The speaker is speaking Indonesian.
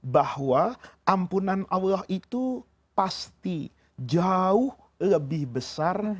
bahwa ampunan allah itu pasti jauh lebih besar